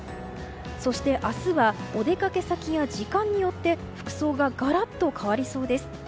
そして、明日はお出かけ先や時間によって服装がガラッと変わりそうです。